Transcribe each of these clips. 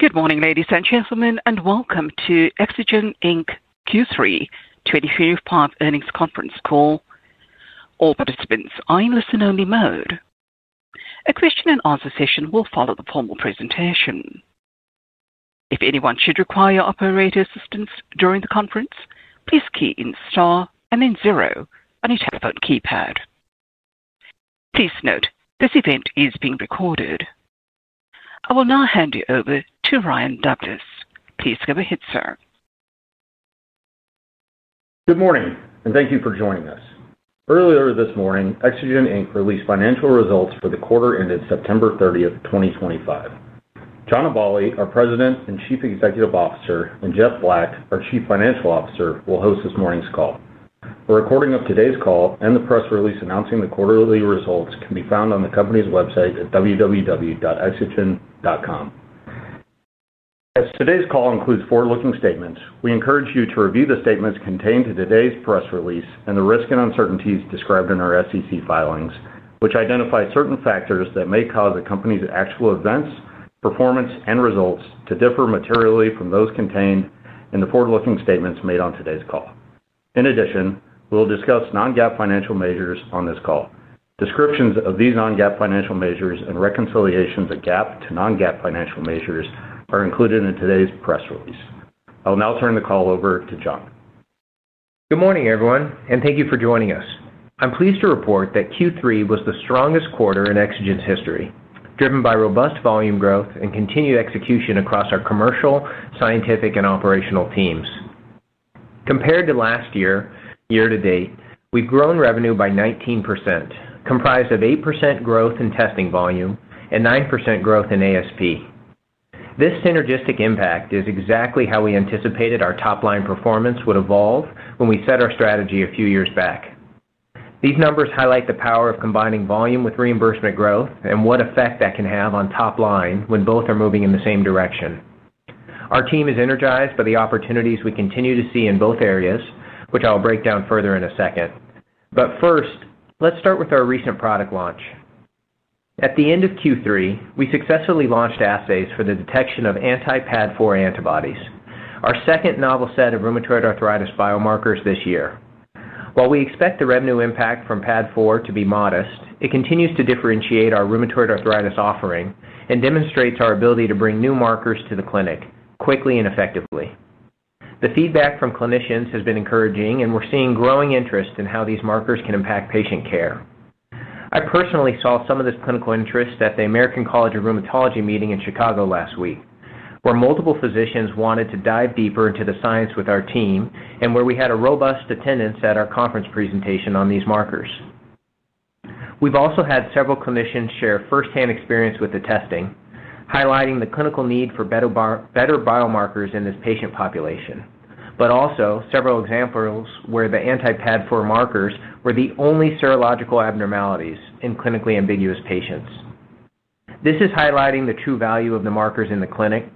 Good morning, ladies and gentlemen, and welcome to Exagen Inc. Q3 2025 earnings conference call. All participants are in listen-only mode. A question-and-answer session will follow the formal presentation. If anyone should require operator assistance during the conference, please key in star and then zero on your telephone keypad. Please note this event is being recorded. I will now hand you over to Ryan Douglas. Please go ahead, sir. Good morning, and thank you for joining us. Earlier this morning, Exagen Inc. released financial results for the quarter ended September 30th, 2025. John Aballi, our President and Chief Executive Officer, and Jeff Black, our Chief Financial Officer, will host this morning's call. A recording of today's call and the press release announcing the quarterly results can be found on the company's website at www.exagen.com. As today's call includes forward-looking statements, we encourage you to review the statements contained in today's press release and the risk and uncertainties described in our SEC filings, which identify certain factors that may cause a company's actual events, performance, and results to differ materially from those contained in the forward-looking statements made on today's call. In addition, we'll discuss non-GAAP financial measures on this call. Descriptions of these non-GAAP financial measures and reconciliations of GAAP to non-GAAP financial measures are included in today's press release. I will now turn the call over to John. Good morning, everyone, and thank you for joining us. I'm pleased to report that Q3 was the strongest quarter in Exagen's history, driven by robust volume growth and continued execution across our commercial, scientific, and operational teams. Compared to last year-to-date, we've grown revenue by 19%, comprised of 8% growth in testing volume and 9% growth in ASP. This synergistic impact is exactly how we anticipated our top-line performance would evolve when we set our strategy a few years back. These numbers highlight the power of combining volume with reimbursement growth and what effect that can have on top-line when both are moving in the same direction. Our team is energized by the opportunities we continue to see in both areas, which I'll break down further in a second. But first, let's start with our recent product launch. At the end of Q3, we successfully launched assays for the detection of anti-PAD4 antibodies, our second novel set of rheumatoid arthritis biomarkers this year. While we expect the revenue impact from PAD4 to be modest, it continues to differentiate our rheumatoid arthritis offering and demonstrates our ability to bring new markers to the clinic quickly and effectively. The feedback from clinicians has been encouraging, and we're seeing growing interest in how these markers can impact patient care. I personally saw some of this clinical interest at the American College of Rheumatology meeting in Chicago last week, where multiple physicians wanted to dive deeper into the science with our team and where we had a robust attendance at our conference presentation on these markers. We've also had several clinicians share firsthand experience with the testing, highlighting the clinical need for better biomarkers in this patient population, but also several examples where the anti-PAD4 markers were the only serological abnormalities in clinically ambiguous patients. This is highlighting the true value of the markers in the clinic.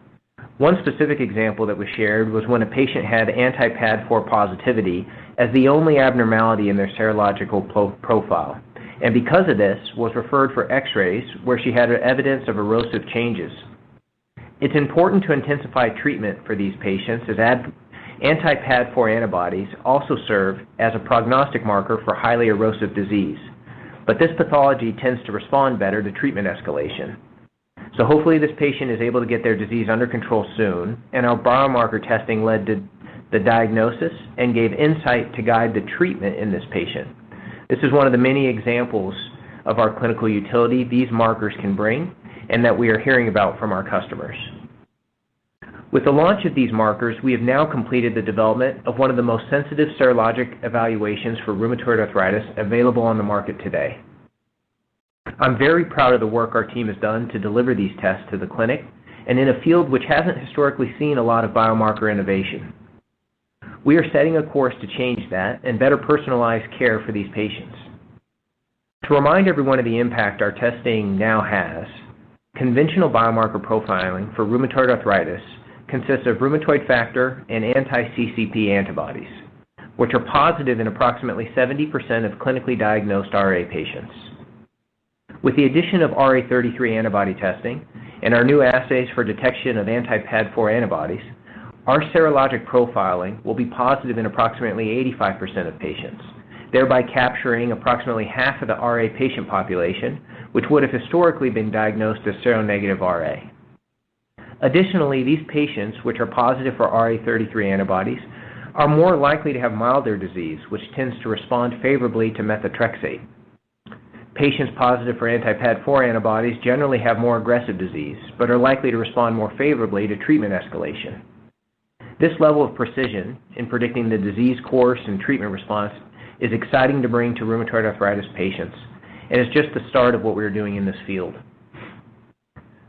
One specific example that was shared was when a patient had anti-PAD4 positivity as the only abnormality in their serological profile, and because of this, was referred for X-rays where she had evidence of erosive changes. It's important to intensify treatment for these patients as anti-PAD4 antibodies also serve as a prognostic marker for highly erosive disease, but this pathology tends to respond better to treatment escalation. So hopefully, this patient is able to get their disease under control soon, and our biomarker testing led to the diagnosis and gave insight to guide the treatment in this patient. This is one of the many examples of our clinical utility these markers can bring and that we are hearing about from our customers. With the launch of these markers, we have now completed the development of one of the most sensitive serologic evaluations for rheumatoid arthritis available on the market today. I'm very proud of the work our team has done to deliver these tests to the clinic and in a field which hasn't historically seen a lot of biomarker innovation. We are setting a course to change that and better personalize care for these patients. To remind everyone of the impact our testing now has, conventional biomarker profiling for rheumatoid arthritis consists of rheumatoid factor and anti-CCP antibodies, which are positive in approximately 70% of clinically diagnosed RA patients. With the addition of RA33 antibody testing and our new assays for detection of anti-PAD4 antibodies, our serologic profiling will be positive in approximately 85% of patients, thereby capturing approximately half of the RA patient population, which would have historically been diagnosed as seronegative RA. Additionally, these patients, which are positive for RA33 antibodies, are more likely to have milder disease, which tends to respond favorably to methotrexate. Patients positive for anti-PAD4 antibodies generally have more aggressive disease but are likely to respond more favorably to treatment escalation. This level of precision in predicting the disease course and treatment response is exciting to bring to rheumatoid arthritis patients, and it's just the start of what we're doing in this field.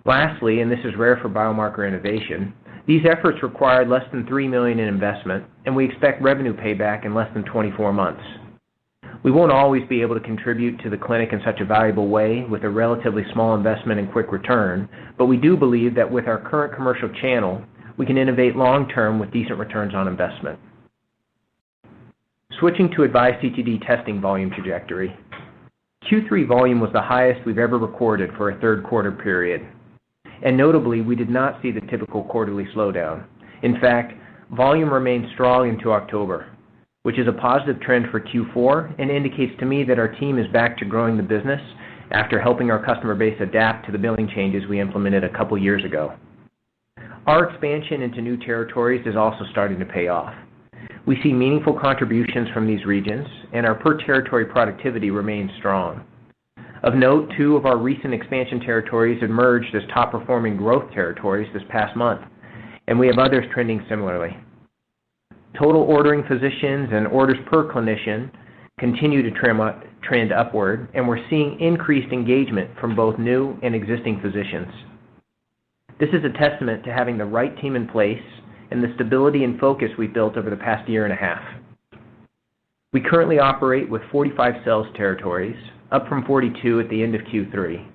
Lastly, and this is rare for biomarker innovation, these efforts required less than $3 million in investment, and we expect revenue payback in less than 24 months. We won't always be able to contribute to the clinic in such a valuable way with a relatively small investment and quick return, but we do believe that with our current commercial channel, we can innovate long-term with decent returns on investment. Switching to AVISE CTD testing volume trajectory, Q3 volume was the highest we've ever recorded for a third-quarter period, and notably, we did not see the typical quarterly slowdown. In fact, volume remained strong into October, which is a positive trend for Q4 and indicates to me that our team is back to growing the business after helping our customer base adapt to the billing changes we implemented a couple of years ago. Our expansion into new territories is also starting to pay off. We see meaningful contributions from these regions, and our per-territory productivity remains strong. Of note, two of our recent expansion territories emerged as top-performing growth territories this past month, and we have others trending similarly. Total ordering physicians and orders per clinician continue to trend upward, and we're seeing increased engagement from both new and existing physicians. This is a testament to having the right team in place and the stability and focus we've built over the past year and a half. We currently operate with 45 sales territories, up from 42 at the end of Q3.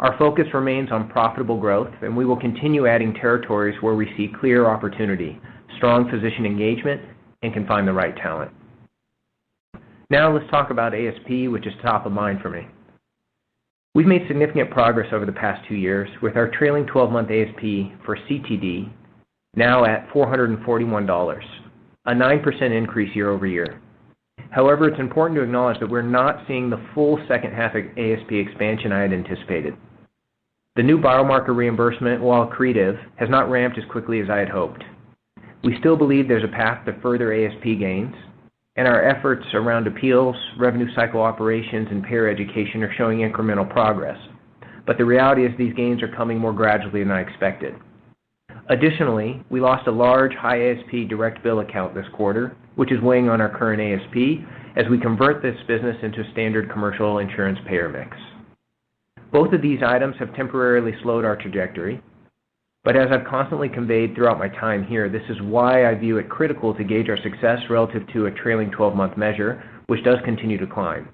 Our focus remains on profitable growth, and we will continue adding territories where we see clear opportunity, strong physician engagement, and can find the right talent. Now, let's talk about ASP, which is top of mind for me. We've made significant progress over the past two years with our trailing 12-month ASP for CTD now at $441. A 9% increase year-over-year. However, it's important to acknowledge that we're not seeing the full second half of ASP expansion I had anticipated. The new biomarker reimbursement, while accretive, has not ramped as quickly as I had hoped. We still believe there's a path to further ASP gains, and our efforts around appeals, revenue cycle operations, and payer education are showing incremental progress, but the reality is these gains are coming more gradually than I expected. Additionally, we lost a large high ASP direct bill account this quarter, which is weighing on our current ASP as we convert this business into a standard commercial insurance payer mix. Both of these items have temporarily slowed our trajectory, but as I've constantly conveyed throughout my time here, this is why I view it critical to gauge our success relative to a trailing 12-month measure, which does continue to climb.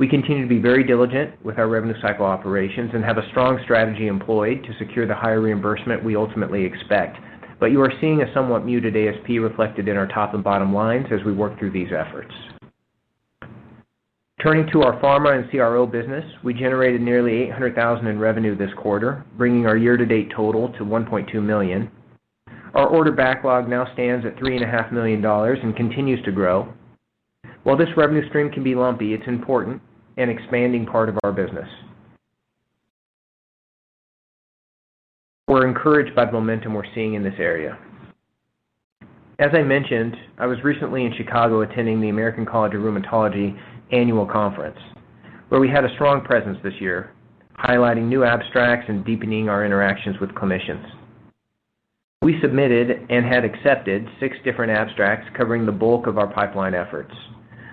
We continue to be very diligent with our revenue cycle operations and have a strong strategy employed to secure the higher reimbursement we ultimately expect, but you are seeing a somewhat muted ASP reflected in our top and bottom lines as we work through these efforts. Turning to our pharma and CRO business, we generated nearly $800,000 in revenue this quarter, bringing our year-to-date total to $1.2 million. Our order backlog now stands at $3.5 million and continues to grow. While this revenue stream can be lumpy, it's important and expanding part of our business. We're encouraged by the momentum we're seeing in this area. As I mentioned, I was recently in Chicago attending the American College of Rheumatology annual conference, where we had a strong presence this year, highlighting new abstracts and deepening our interactions with clinicians. We submitted and had accepted six different abstracts covering the bulk of our pipeline efforts.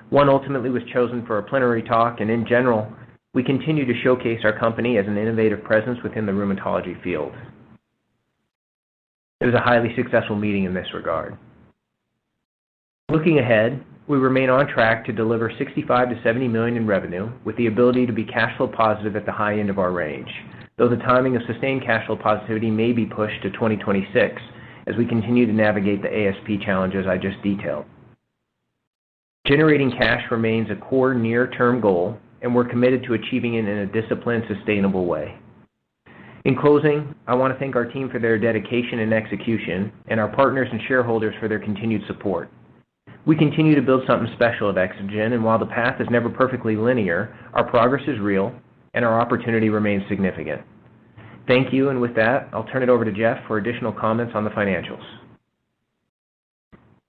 One ultimately was chosen for a plenary talk, and in general, we continue to showcase our company as an innovative presence within the rheumatology field. It was a highly successful meeting in this regard. Looking ahead, we remain on track to deliver $65 million-$70 million in revenue with the ability to be cash flow positive at the high end of our range, though the timing of sustained cash flow positivity may be pushed to 2026 as we continue to navigate the ASP challenges I just detailed. Generating cash remains a core near-term goal, and we're committed to achieving it in a disciplined, sustainable way. In closing, I want to thank our team for their dedication and execution and our partners and shareholders for their continued support. We continue to build something special at Exagen, and while the path is never perfectly linear, our progress is real and our opportunity remains significant. Thank you, and with that, I'll turn it over to Jeff for additional comments on the financials.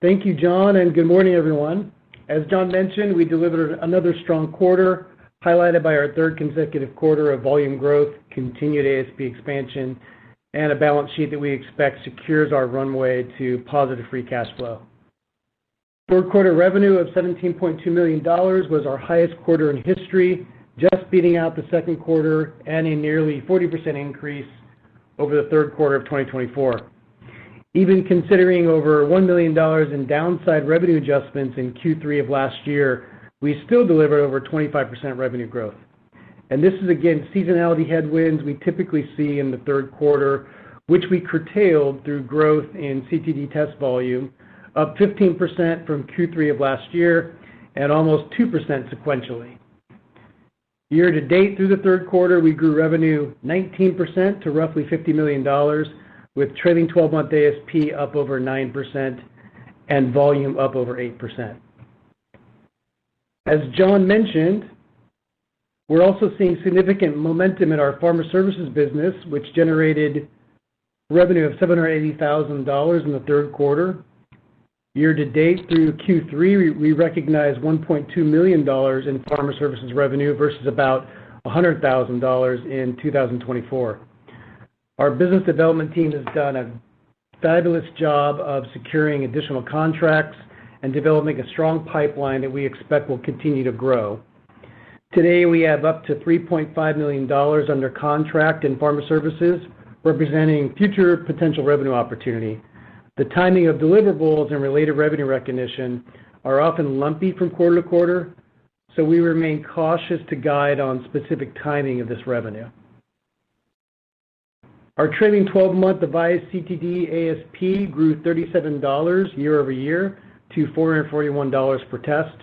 Thank you, John, and good morning, everyone. As John mentioned, we delivered another strong quarter highlighted by our third consecutive quarter of volume growth, continued ASP expansion, and a balance sheet that we expect secures our runway to positive free cash flow. Third-quarter revenue of $17.2 million was our highest quarter in history, just beating out the second quarter and a nearly 40% increase over the third quarter of 2024. Even considering over $1 million in downside revenue adjustments in Q3 of last year, we still delivered over 25% revenue growth. This is, again, seasonality headwinds we typically see in the third quarter, which we curtailed through growth in CTD test volume, up 15% from Q3 of last year and almost 2% sequentially. Year-to-date, through the third quarter, we grew revenue 19% to roughly $50 million, with trailing 12-month ASP up over 9% and volume up over 8%. As John mentioned, we're also seeing significant momentum in our pharma services business, which generated revenue of $780,000 in the third quarter. Year-to-date, through Q3, we recognized $1.2 million in pharma services revenue versus about $100,000 in 2024. Our business development team has done a fabulous job of securing additional contracts and developing a strong pipeline that we expect will continue to grow. Today, we have up to $3.5 million under contract in pharma services, representing future potential revenue opportunity. The timing of deliverables and related revenue recognition are often lumpy from quarter to quarter, so we remain cautious to guide on specific timing of this revenue. Our trailing 12-month AVISE CTD ASP grew $37 year-over-year to $441 per test.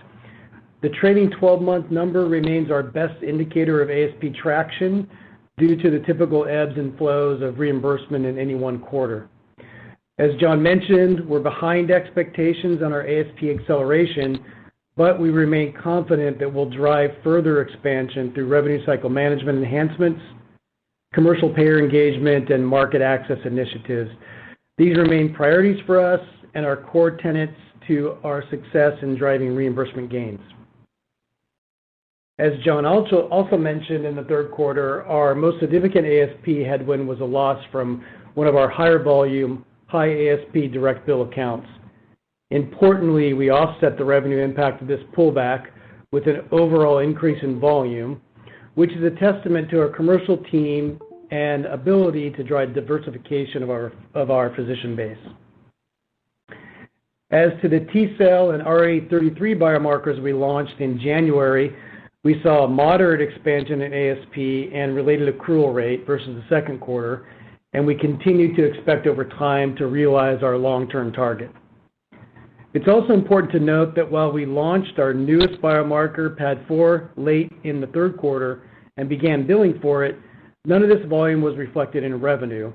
The trailing 12-month number remains our best indicator of ASP traction due to the typical ebbs and flows of reimbursement in any one quarter. As John mentioned, we're behind expectations on our ASP acceleration, but we remain confident that we'll drive further expansion through revenue cycle management enhancements, commercial payer engagement, and market access initiatives. These remain priorities for us and our core tenets to our success in driving reimbursement gains. As John also mentioned, in the third quarter, our most significant ASP headwind was a loss from one of our higher volume, high ASP direct bill accounts. Importantly, we offset the revenue impact of this pullback with an overall increase in volume, which is a testament to our commercial team and ability to drive diversification of our physician base. As to the T-cell and RA33 biomarkers we launched in January, we saw a moderate expansion in ASP and related accrual rate versus the second quarter, and we continue to expect over time to realize our long-term target. It's also important to note that while we launched our newest biomarker, PAD4, late in the third quarter and began billing for it, none of this volume was reflected in revenue.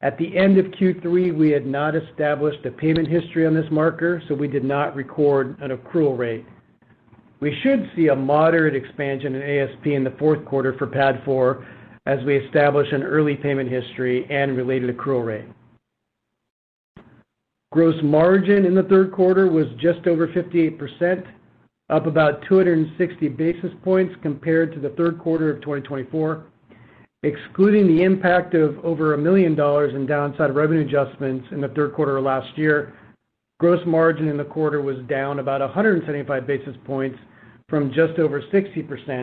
At the end of Q3, we had not established a payment history on this marker, so we did not record an accrual rate. We should see a moderate expansion in ASP in the fourth quarter for PAD4 as we establish an early payment history and related accrual rate. Gross margin in the third quarter was just over 58%. Up about 260 basis points compared to the third quarter of 2024. Excluding the impact of over $1 million in downside revenue adjustments in the third quarter of last year, gross margin in the quarter was down about 175 basis points from just over 60%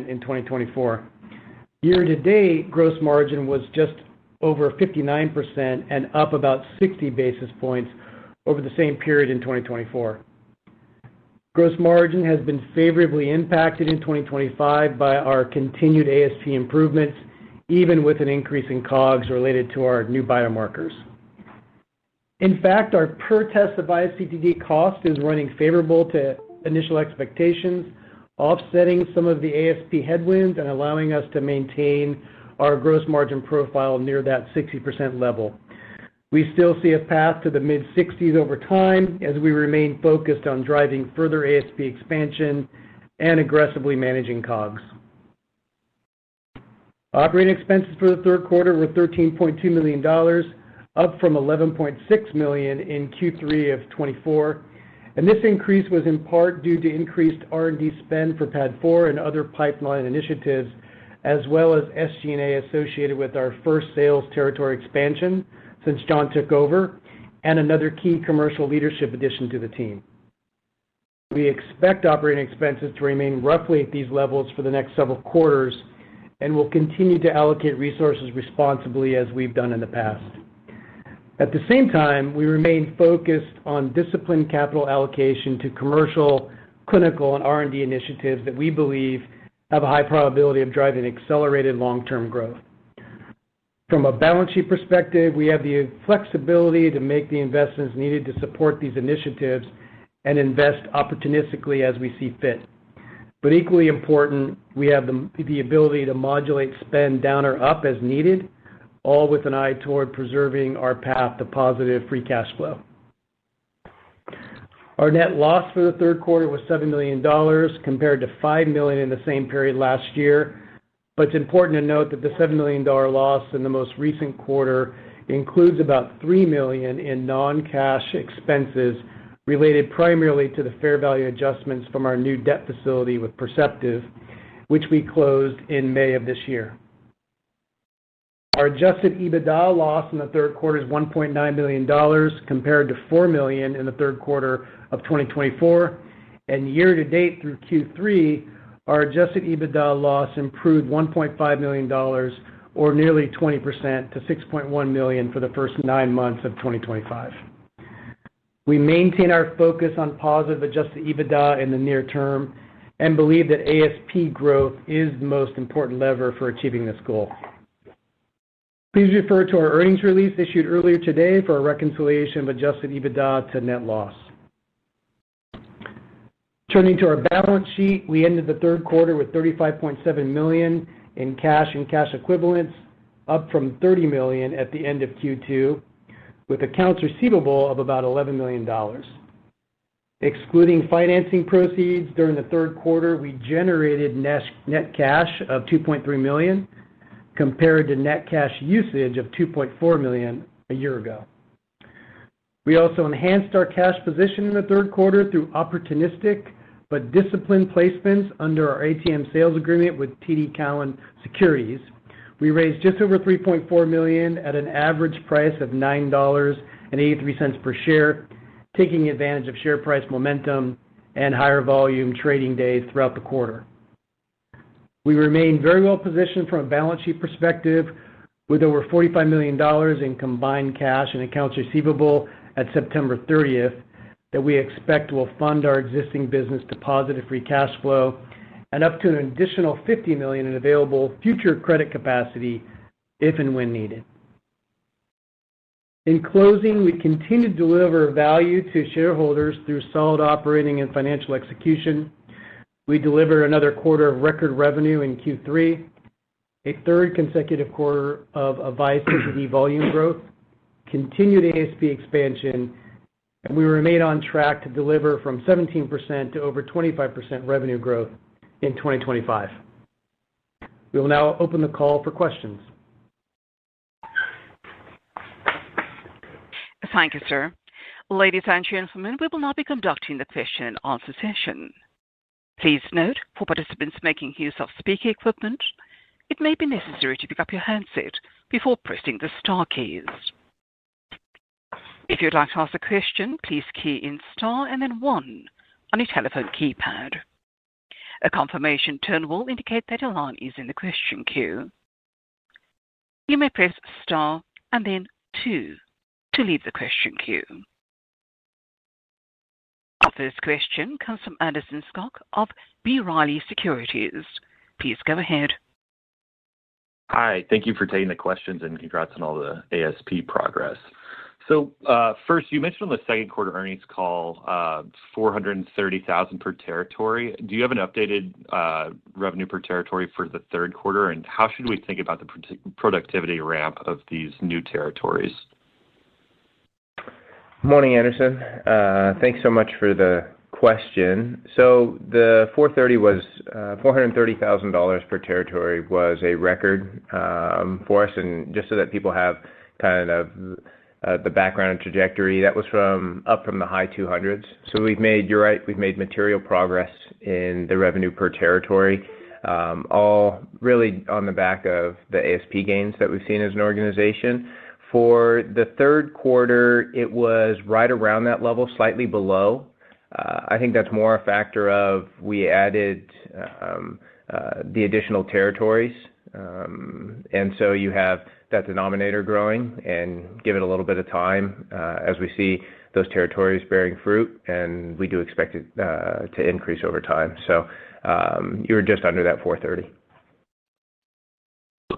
in 2024. Year-to-date, gross margin was just over 59% and up about 60 basis points over the same period in 2024. Gross margin has been favorably impacted in 2025 by our continued ASP improvements, even with an increase in COGS related to our new biomarkers. In fact, our per-test AVISE CTD cost is running favorable to initial expectations, offsetting some of the ASP headwinds and allowing us to maintain our gross margin profile near that 60% level. We still see a path to the mid-60s over time as we remain focused on driving further ASP expansion and aggressively managing COGS. Operating expenses for the third quarter were $13.2 million, up from $11.6 million in Q3 of 2024, and this increase was in part due to increased R&D spend for PAD4 and other pipeline initiatives, as well as SG&A associated with our first sales territory expansion since John took over and another key commercial leadership addition to the team. We expect operating expenses to remain roughly at these levels for the next several quarters and will continue to allocate resources responsibly as we've done in the past. At the same time, we remain focused on disciplined capital allocation to commercial, clinical, and R&D initiatives that we believe have a high probability of driving accelerated long-term growth. From a balance sheet perspective, we have the flexibility to make the investments needed to support these initiatives and invest opportunistically as we see fit, but equally important, we have the ability to modulate spend down or up as needed, all with an eye toward preserving our path to positive free cash flow. Our net loss for the third quarter was $7 million compared to $5 million in the same period last year, but it's important to note that the $7 million loss in the most recent quarter includes about $3 million in non-cash expenses related primarily to the fair value adjustments from our new debt facility with Perceptive, which we closed in May of this year. Our adjusted EBITDA loss in the third quarter is $1.9 million compared to $4 million in the third quarter of 2024, and year-to-date, through Q3, our adjusted EBITDA loss improved $1.5 million, or nearly 20%, to $6.1 million for the first nine months of 2025. We maintain our focus on positive adjusted EBITDA in the near term and believe that ASP growth is the most important lever for achieving this goal. Please refer to our earnings release issued earlier today for a reconciliation of adjusted EBITDA to net loss. Turning to our balance sheet, we ended the third quarter with $35.7 million in cash and cash equivalents, up from $30 million at the end of Q2, with accounts receivable of about $11 million. Excluding financing proceeds during the third quarter, we generated net cash of $2.3 million compared to net cash usage of $2.4 million a year ago. We also enhanced our cash position in the third quarter through opportunistic but disciplined placements under our ATM sales agreement with TD Cowen Securities. We raised just over $3.4 million at an average price of $9.83 per share, taking advantage of share price momentum and higher volume trading days throughout the quarter. We remain very well positioned from a balance sheet perspective with over $45 million in combined cash and accounts receivable at September 30th that we expect will fund our existing business to positive free cash flow and up to an additional $50 million in available future credit capacity if and when needed. In closing, we continue to deliver value to shareholders through solid operating and financial execution. We delivered another quarter of record revenue in Q3, a third consecutive quarter of AVISE CTD volume growth, continued ASP expansion, and we remain on track to deliver from 17% to over 25% revenue growth in 2025. We will now open the call for questions. Thank you, sir. Ladies and gentlemen, we will now be conducting the question and answer session. Please note, for participants making use of speaker equipment, it may be necessary to pick up your handset before pressing the star keys. If you'd like to ask a question, please key in star and then one on your telephone keypad. A confirmation tone will indicate that your line is in the question queue. You may press star and then two to leave the question queue. Our first question comes from Anderson Schock of B. Riley Securities. Please go ahead. Hi. Thank you for taking the questions and congrats on all the ASP progress, so first, you mentioned on the second quarter earnings call $430,000 per territory. Do you have an updated revenue per territory for the third quarter? And how should we think about the productivity ramp of these new territories? Morning, Anderson. Thanks so much for the question. So the $430,000 per territory was a record for us. And just so that people have kind of the background and trajectory, that was up from the high 200s. So we've made material progress in the revenue per territory, all really on the back of the ASP gains that we've seen as an organization. For the third quarter, it was right around that level, slightly below. I think that's more a factor of we added the additional territories. And so you have that denominator growing and give it a little bit of time as we see those territories bearing fruit, and we do expect it to increase over time. So you're just under that $430,000.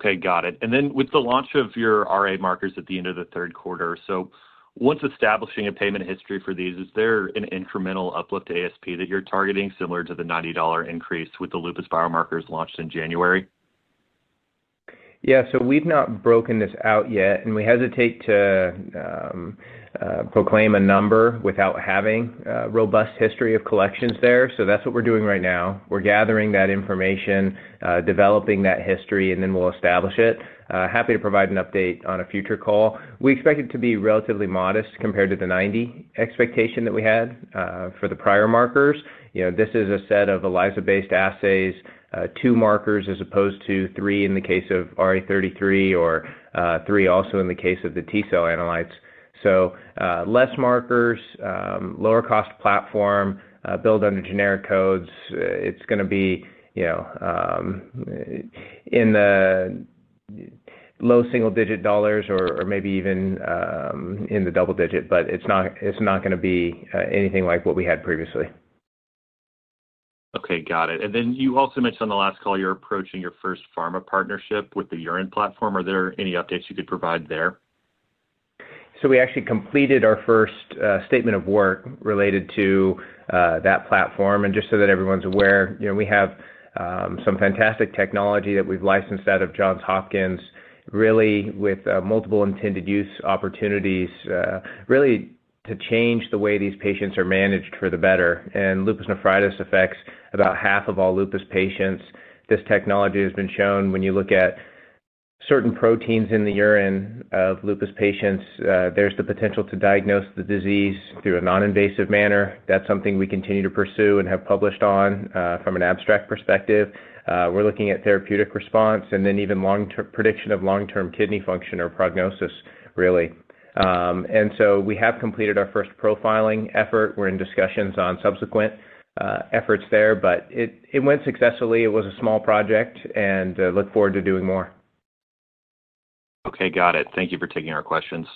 Okay. Got it. And then with the launch of your RA markers at the end of the third quarter, so once establishing a payment history for these, is there an incremental uplift to ASP that you're targeting, similar to the $90 increase with the Lupus biomarkers launched in January? Yeah. So we've not broken this out yet, and we hesitate to proclaim a number without having a robust history of collections there. So that's what we're doing right now. We're gathering that information, developing that history, and then we'll establish it. Happy to provide an update on a future call. We expect it to be relatively modest compared to the $90 expectation that we had for the prior markers. This is a set of AVISE-based assays, two markers as opposed to three in the case of RA33 or three also in the case of the T-cell analytes. So less markers, lower cost platform, build under generic codes. It's going to be in the low single-digit dollars or maybe even in the double digit, but it's not going to be anything like what we had previously. Okay. Got it. And then you also mentioned on the last call you're approaching your first pharma partnership with the urine platform. Are there any updates you could provide there? So we actually completed our first statement of work related to that platform. And just so that everyone's aware, we have some fantastic technology that we've licensed out of Johns Hopkins, really with multiple intended use opportunities, really to change the way these patients are managed for the better. And lupus nephritis affects about half of all lupus patients. This technology has been shown when you look at certain proteins in the urine of lupus patients, there's the potential to diagnose the disease through a non-invasive manner. That's something we continue to pursue and have published on from an abstract perspective. We're looking at therapeutic response and then even prediction of long-term kidney function or prognosis, really. And so we have completed our first profiling effort. We're in discussions on subsequent efforts there, but it went successfully. It was a small project, and I look forward to doing more. Okay. Got it. Thank you for taking our questions.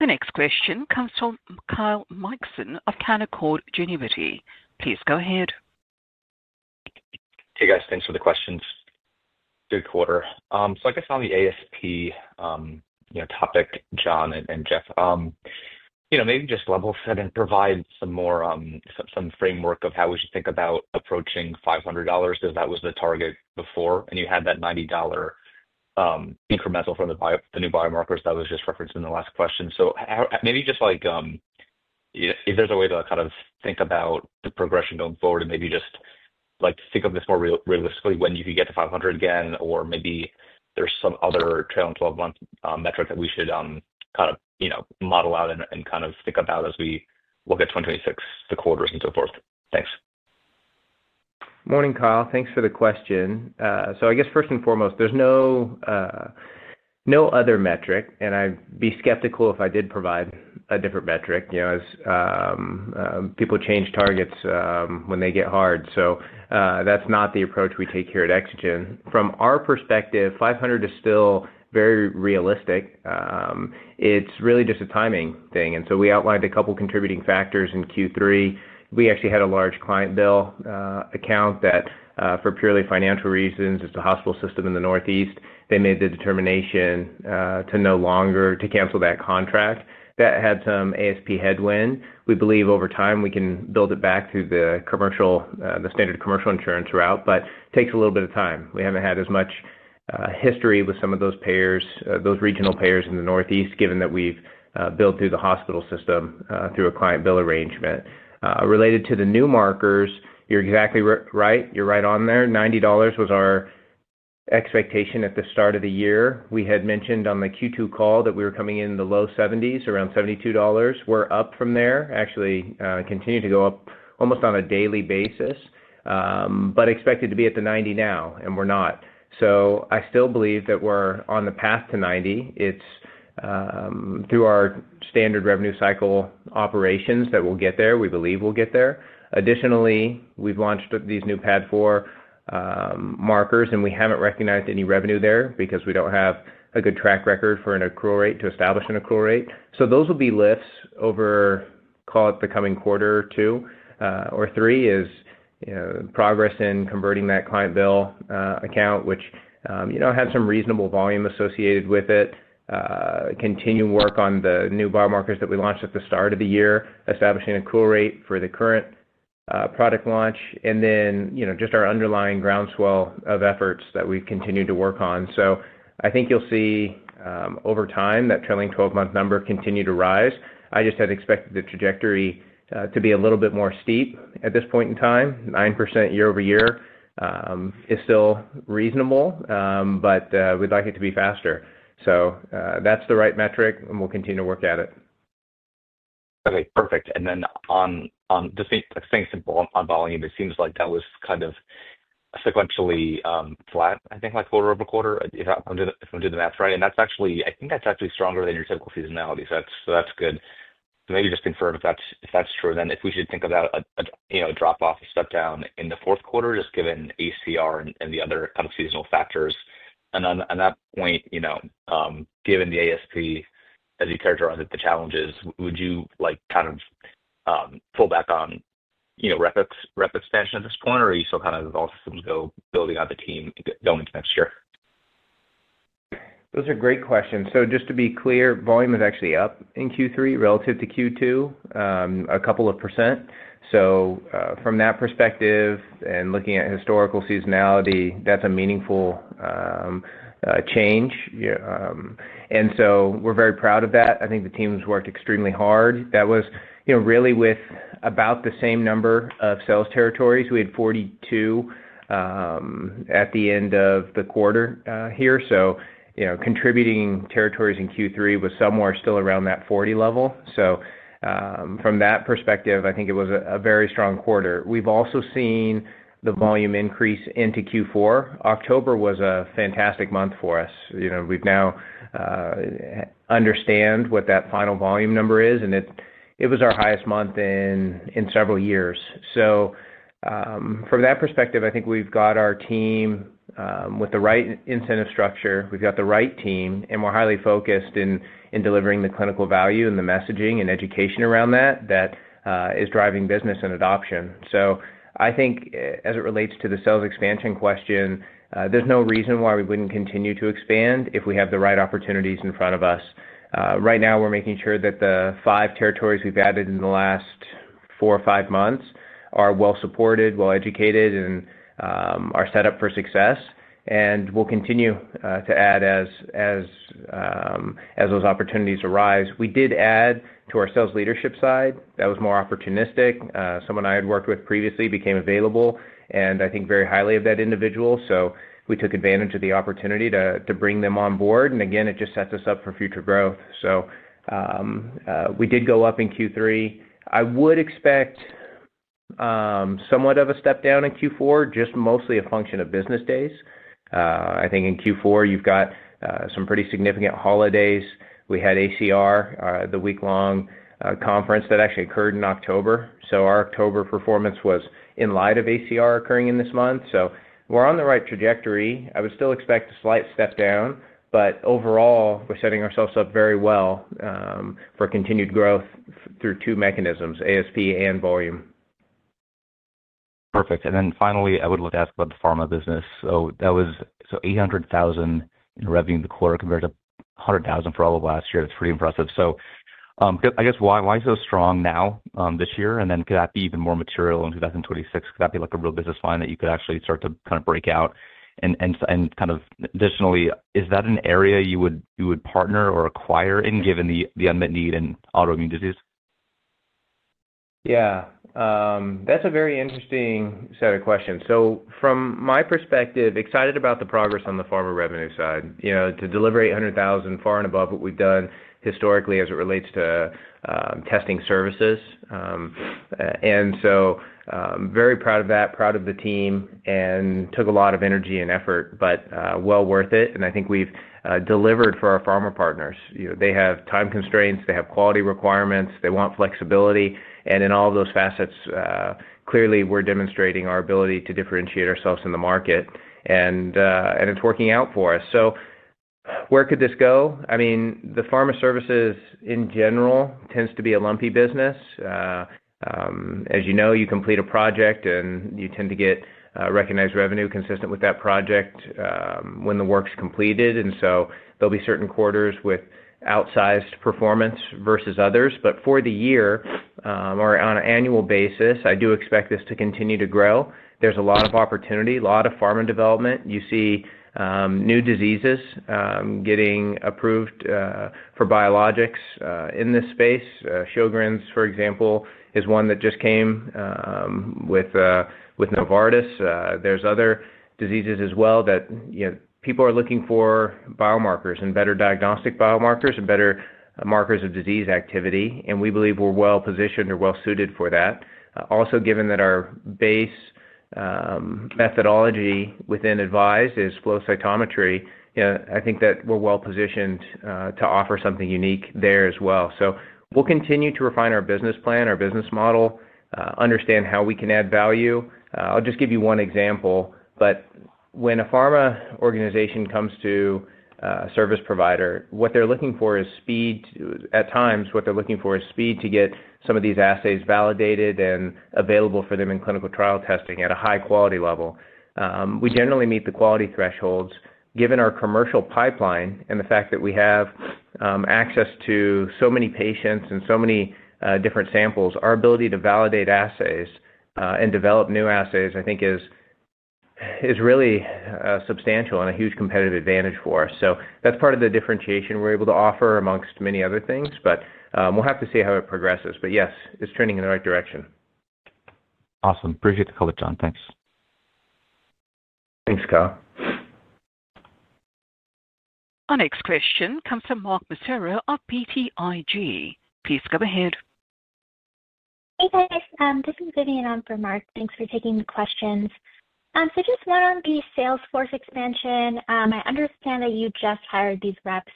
The next question comes from Kyle Mikson of Canaccord Genuity. Please go ahead. Hey, guys. Thanks for the questions. Good quarter. So I guess on the ASP topic, John and Jeff. Maybe just level set and provide some more framework of how we should think about approaching $500 because that was the target before, and you had that $90 incremental from the new biomarkers that was just referenced in the last question. So maybe just if there's a way to kind of think about the progression going forward and maybe just think of this more realistically, when you could get to 500 again, or maybe there's some other trailing 12-month metric that we should kind of model out and kind of think about as we look at 2026, the quarters, and so forth. Thanks. Morning, Kyle. Thanks for the question. So I guess first and foremost, there's no other metric, and I'd be skeptical if I did provide a different metric. People change targets when they get hard. That's not the approach we take here at Exagen. From our perspective, 500 is still very realistic. It's really just a timing thing. We outlined a couple of contributing factors in Q3. We actually had a large client bill account that for purely financial reasons. It's a hospital system in the Northeast. They made the determination to cancel that contract. That had some ASP headwind. We believe over time we can build it back through the standard commercial insurance route, but it takes a little bit of time. We haven't had as much history with some of those payers, those regional payers in the Northeast, given that we've built through the hospital system through a client bill arrangement. Related to the new markers, you're exactly right. You're right on there. $90 was our expectation at the start of the year. We had mentioned on the Q2 call that we were coming in the low $70s, around $72. We're up from there, actually continue to go up almost on a daily basis. But expected to be at the $90 now, and we're not. I still believe that we're on the path to $90. It's through our standard revenue cycle operations that we'll get there. We believe we'll get there. Additionally, we've launched these new PAD4 markers, and we haven't recognized any revenue there because we don't have a good track record for an accrual rate to establish an accrual rate. Those will be lifts over call it the coming quarter or two or three: progress in converting that client bill account, which had some reasonable volume associated with it; continuing work on the new biomarkers that we launched at the start of the year, establishing an accrual rate for the current product launch; and then just our underlying groundswell of efforts that we've continued to work on. I think you'll see over time that trailing-12-month number continue to rise. I just had expected the trajectory to be a little bit more steep at this point in time. 9% year-over-year is still reasonable, but we'd like it to be faster. That's the right metric, and we'll continue to work at it. Okay. Perfect. And then, just staying simple on volume, it seems like that was kind of sequentially flat, I think, quarter-over-quarter, if I'm doing the math right. And I think that's actually stronger than your typical seasonality. So that's good. So maybe just confirm if that's true, then if we should think about a drop-off, a step down in the fourth quarter, just given ACR and the other kind of seasonal factors. And on that point, given the ASP, as you characterize it, the challenges, would you kind of pull back on rep expansion at this point, or are you still kind of all systems go building out the team going into next year? Those are great questions, so just to be clear, volume is actually up in Q3 relative to Q2, a couple of percent. So from that perspective and looking at historical seasonality, that's a meaningful change, and so we're very proud of that. I think the team has worked extremely hard. That was really with about the same number of sales territories. We had 42% at the end of the quarter here, so contributing territories in Q3 were somewhere still around that 40% level. So from that perspective, I think it was a very strong quarter. We've also seen the volume increase into Q4. October was a fantastic month for us. We've now understand what that final volume number is, and it was our highest month in several years, so from that perspective, I think we've got our team with the right incentive structure. We've got the right team, and we're highly focused in delivering the clinical value and the messaging and education around that that is driving business and adoption. So I think as it relates to the sales expansion question, there's no reason why we wouldn't continue to expand if we have the right opportunities in front of us. Right now, we're making sure that the five territories we've added in the last four or five months are well-supported, well-educated, and are set up for success, and we'll continue to add as those opportunities arise. We did add to our sales leadership side. That was more opportunistic. Someone I had worked with previously became available, and I think very highly of that individual, so we took advantage of the opportunity to bring them on board, and again, it just sets us up for future growth, so we did go up in Q3. I would expect somewhat of a step down in Q4, just mostly a function of business days. I think in Q4, you've got some pretty significant holidays. We had ACR, the week-long conference that actually occurred in October, so our October performance was in light of ACR occurring in this month. So we're on the right trajectory. I would still expect a slight step down, but overall, we're setting ourselves up very well for continued growth through two mechanisms, ASP and volume. Perfect. And then finally, I would love to ask about the pharma business. So that was $800,000 in revenue in the quarter compared to $100,000 for all of last year. That's pretty impressive. So I guess why is it so strong now this year? And then could that be even more material in 2026? Could that be like a real business line that you could actually start to kind of break out? And kind of additionally, is that an area you would partner or acquire in given the unmet need in autoimmune disease? Yeah. That's a very interesting set of questions. So from my perspective, excited about the progress on the pharma revenue side to deliver $800,000, far and above what we've done historically as it relates to testing services. And so very proud of that, proud of the team, and took a lot of energy and effort, but well worth it. And I think we've delivered for our pharma partners. They have time constraints. They have quality requirements. They want flexibility. And in all of those facets, clearly, we're demonstrating our ability to differentiate ourselves in the market. And it's working out for us. So where could this go? I mean, the pharma services in general tends to be a lumpy business. As you know, you complete a project, and you tend to get recognized revenue consistent with that project when the work's completed. And so there'll be certain quarters with outsized performance versus others. But for the year or on an annual basis, I do expect this to continue to grow. There's a lot of opportunity, a lot of pharma development. You see new diseases getting approved for biologics in this space. Sjögren's, for example, is one that just came with Novartis. There's other diseases as well that people are looking for biomarkers and better diagnostic biomarkers and better markers of disease activity. And we believe we're well-positioned or well-suited for that. Also, given that our base methodology within AVISE is flow cytometry, I think that we're well-positioned to offer something unique there as well. So we'll continue to refine our business plan, our business model, understand how we can add value. I'll just give you one example. When a pharma organization comes to a service provider, what they're looking for is speed. At times, what they're looking for is speed to get some of these assays validated and available for them in clinical trial testing at a high-quality level. We generally meet the quality thresholds. Given our commercial pipeline and the fact that we have access to so many patients and so many different samples, our ability to validate assays and develop new assays, I think, is really substantial and a huge competitive advantage for us. So that's part of the differentiation we're able to offer amongst many other things. But we'll have to see how it progresses. But yes, it's trending in the right direction. Awesome. Appreciate the call, John. Thanks. Thanks, Kyle. Our next question comes from Mark Massaro of BTIG. Please go ahead. Hey, guys. This is Vivianne from Mark. Thanks for taking the questions. So just one on the sales force expansion. I understand that you just hired these reps,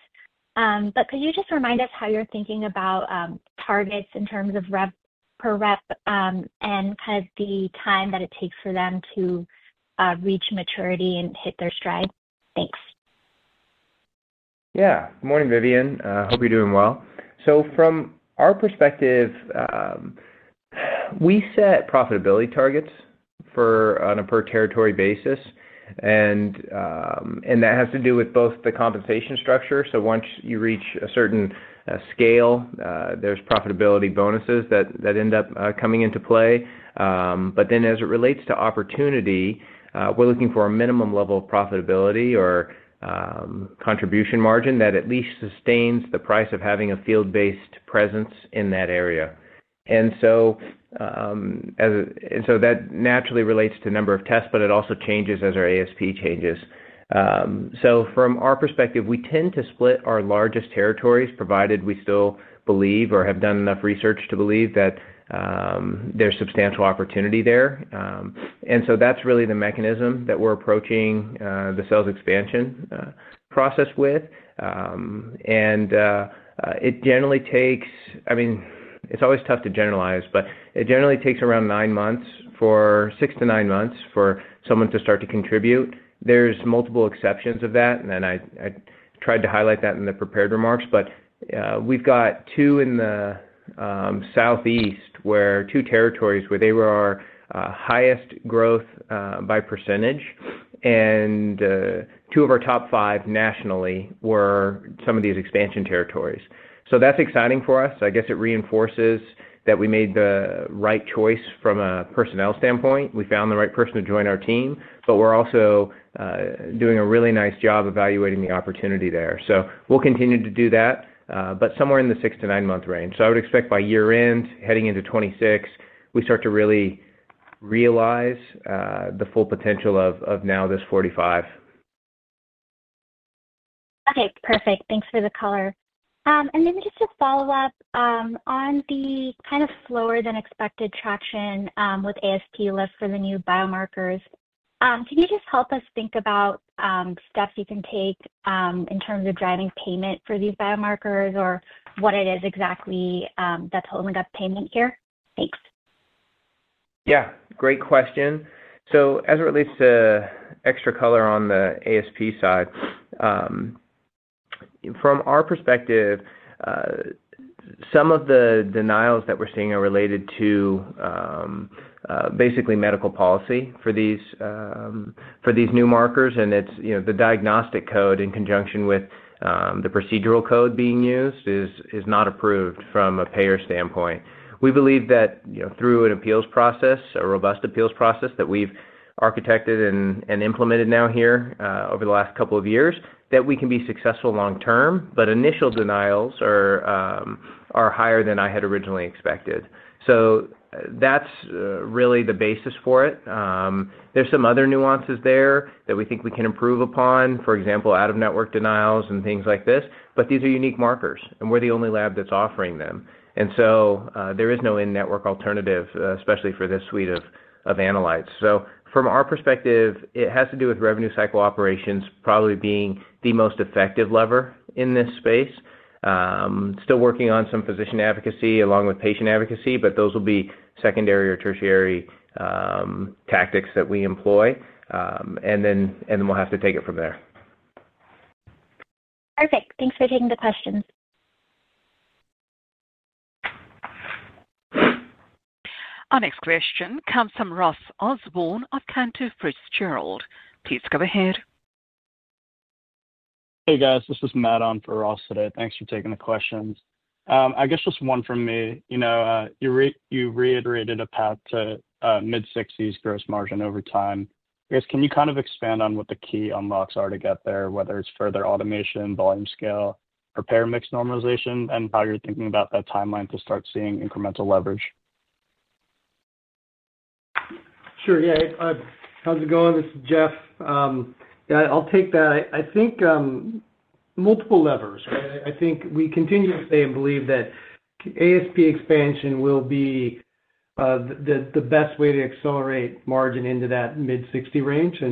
but could you just remind us how you're thinking about targets in terms of per rep and kind of the time that it takes for them to reach maturity and hit their stride? Thanks. Yeah. Good morning, Vivianne. I hope you're doing well. So from our perspective, we set profitability targets on a per territory basis. And that has to do with both the compensation structure. So once you reach a certain scale, there's profitability bonuses that end up coming into play. But then as it relates to opportunity, we're looking for a minimum level of profitability or contribution margin that at least sustains the price of having a field-based presence in that area. And so that naturally relates to number of tests, but it also changes as our ASP changes. So from our perspective, we tend to split our largest territories provided we still believe or have done enough research to believe that there's substantial opportunity there. And so that's really the mechanism that we're approaching the sales expansion process with. And it generally takes, I mean, it's always tough to generalize, but it generally takes around six to nine months for someone to start to contribute. There's multiple exceptions of that. And then I tried to highlight that in the prepared remarks. But we've got two in the Southeast where two territories where they were our highest growth by percentage. And two of our top five nationally were some of these expansion territories. So that's exciting for us. I guess it reinforces that we made the right choice from a personnel standpoint. We found the right person to join our team. But we're also doing a really nice job evaluating the opportunity there. So we'll continue to do that, but somewhere in the six to nine-month range. So I would expect by year-end, heading into 2026, we start to really realize the full potential of [now this 45]. Okay. Perfect. Thanks for the caller. And then just to follow up on the kind of slower-than-expected traction with ASP lift for the new biomarkers, can you just help us think about steps you can take in terms of driving payment for these biomarkers or what it is exactly that's holding up payment here? Thanks. Yeah. Great question. So, as it relates to extra color on the ASP side from our perspective, some of the denials that we're seeing are related to basically medical policy for these new markers and the diagnostic code in conjunction with the procedural code being used is not approved from a payer standpoint. We believe that through an appeals process, a robust appeals process that we've architected and implemented now here over the last couple of years, that we can be successful long-term, but initial denials are higher than I had originally expected, so that's really the basis for it. There's some other nuances there that we think we can improve upon, for example, out-of-network denials and things like this but these are unique markers, and we're the only lab that's offering them and so there is no in-network alternative, especially for this suite of analytes so from our perspective, it has to do with revenue cycle operations probably being the most effective lever in this space. Still working on some physician advocacy along with patient advocacy, but those will be secondary or tertiary tactics that we employ and then we'll have to take it from there. Perfect. Thanks for taking the questions. Our next question comes from Ross Osborn of Cantor Fitzgerald. Please go ahead. Hey, guys. This is Matt on for Ross today. Thanks for taking the questions. I guess just one from me. You reiterated a path to mid-60s gross margin over time. I guess can you kind of expand on what the key unlocks are to get there, whether it's further automation, volume scale, payer mix normalization, and how you're thinking about that timeline to start seeing incremental leverage? Sure. Yeah. How's it going? This is Jeff. Yeah, I'll take that. I think multiple levers. I think we continue to say and believe that ASP expansion will be the best way to accelerate margin into that mid-60% range.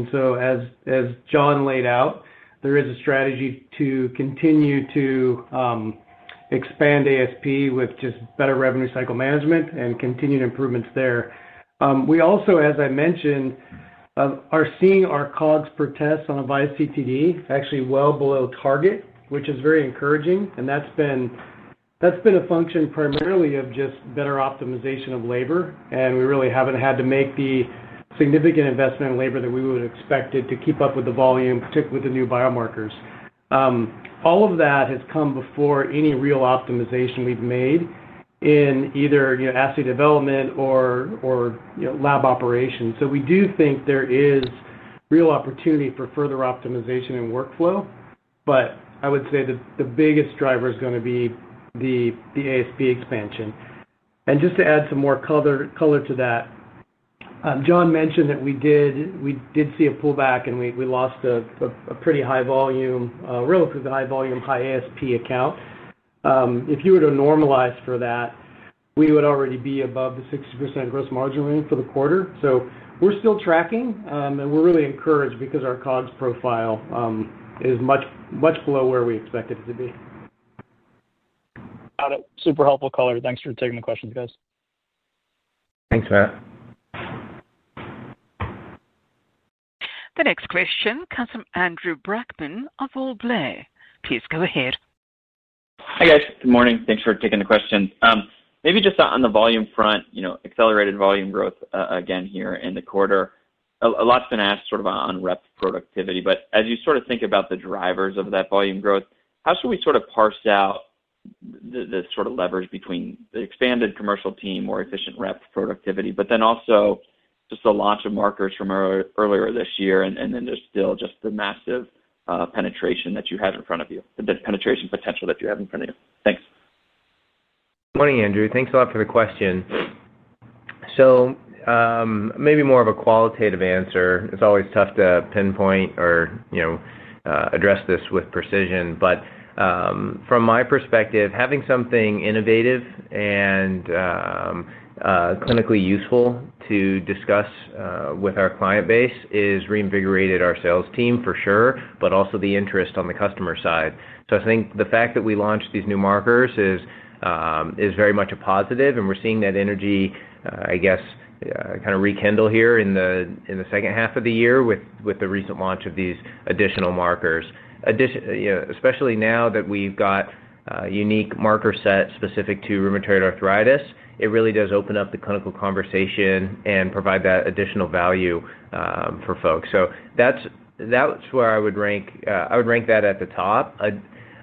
As John laid out, there is a strategy to continue to expand ASP with just better revenue cycle management and continued improvements there. We also, as I mentioned, are seeing our COGS per test on AVISE CTD actually well below target, which is very encouraging. That's been a function primarily of just better optimization of labor. We really haven't had to make the significant investment in labor that we would have expected to keep up with the volume, particularly with the new biomarkers. All of that has come before any real optimization we've made in either assay development or lab operations. We do think there is real opportunity for further optimization of workflow, but I would say the biggest driver is going to be the ASP expansion. Just to add some more color to that, John mentioned that we did see a pullback, and we lost a pretty high volume, relatively high volume, high ASP account. If you were to normalize for that, we would already be above the 60% gross margin range for the quarter. We're still tracking, and we're really encouraged because our COGS profile is much below where we expected it to be. Got it. Super helpful color. Thanks for taking the questions, guys. Thanks, Matt. The next question comes from Andrew Brackmann of William Blair. Please go ahead. Hi, guys. Good morning. Thanks for taking the question. Maybe just on the volume front, accelerated volume growth again here in the quarter. A lot's been asked sort of on rep productivity. But as you sort of think about the drivers of that volume growth, how should we sort of parse out the sort of leverage between the expanded commercial team or efficient rep productivity, but then also just the launch of markers from earlier this year and then just still just the massive penetration that you have in front of you, the penetration potential that you have in front of you? Thanks. Good morning, Andrew. Thanks a lot for the question. So, maybe more of a qualitative answer. It's always tough to pinpoint or address this with precision. But from my perspective, having something innovative and clinically useful to discuss with our client base has reinvigorated our sales team for sure, but also the interest on the customer side. So I think the fact that we launched these new markers is very much a positive. And we're seeing that energy, I guess, kind of rekindle here in the second half of the year with the recent launch of these additional markers. Especially now that we've got a unique marker set specific to rheumatoid arthritis, it really does open up the clinical conversation and provide that additional value for folks. So that's where I would rank that at the top.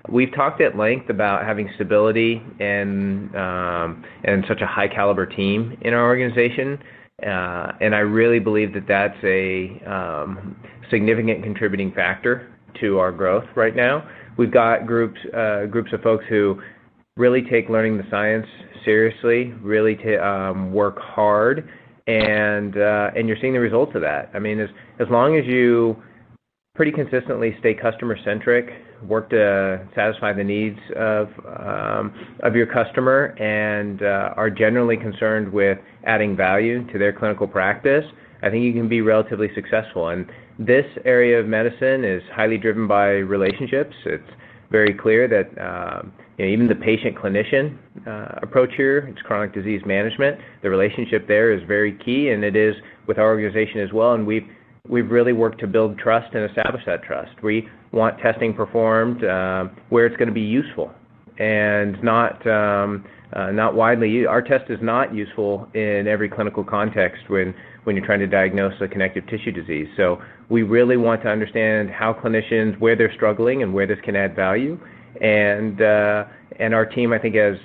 We've talked at length about having stability and such a high-caliber team in our organization. And I really believe that that's a significant contributing factor to our growth right now. We've got groups of folks who really take learning the science seriously, really work hard. And you're seeing the results of that. I mean, as long as you pretty consistently stay customer-centric, work to satisfy the needs of your customer, and are generally concerned with adding value to their clinical practice, I think you can be relatively successful. And this area of medicine is highly driven by relationships. It's very clear that even the patient-clinician approach here, it's chronic disease management. The relationship there is very key. And it is with our organization as well. And we've really worked to build trust and establish that trust. We want testing performed where it's going to be useful and not widely. Our test is not useful in every clinical context when you're trying to diagnose a connective tissue disease. So we really want to understand how clinicians, where they're struggling, and where this can add value. And our team, I think, has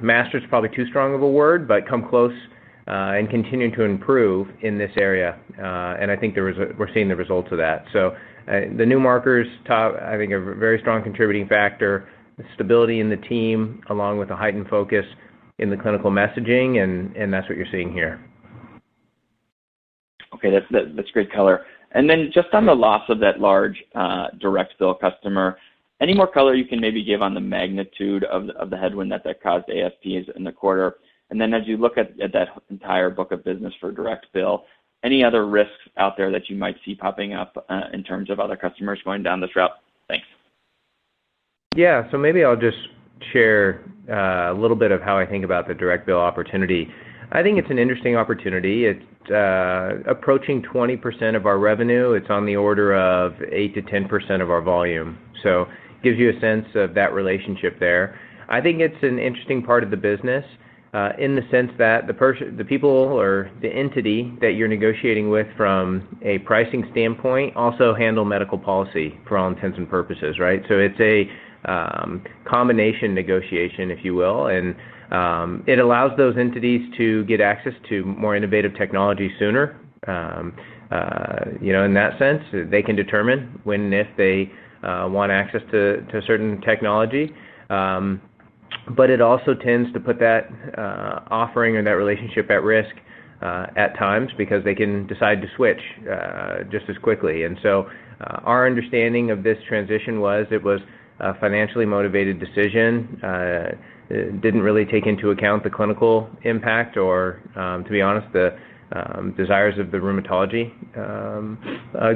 mastered is probably too strong of a word, but come close and continue to improve in this area. And I think we're seeing the results of that. So the new markers, I think, are a very strong contributing factor, stability in the team, along with a heightened focus in the clinical messaging. And that's what you're seeing here. Okay. That's great color. And then just on the loss of that large direct bill customer, any more color you can maybe give on the magnitude of the headwind that that caused ASPs in the quarter? And then as you look at that entire book of business for direct bill, any other risks out there that you might see popping up in terms of other customers going down this route? Thanks. Yeah. So maybe I'll just share a little bit of how I think about the direct bill opportunity. I think it's an interesting opportunity. Approaching 20% of our revenue, it's on the order of 8%-10% of our volume. So it gives you a sense of that relationship there. I think it's an interesting part of the business. In the sense that the people or the entity that you're negotiating with from a pricing standpoint also handle medical policy for all intents and purposes, right? So it's a combination negotiation, if you will. And it allows those entities to get access to more innovative technology sooner. In that sense. They can determine when and if they want access to a certain technology. But it also tends to put that offering or that relationship at risk at times because they can decide to switch just as quickly. And so our understanding of this transition was it was a financially motivated decision. Didn't really take into account the clinical impact or, to be honest, the desires of the rheumatology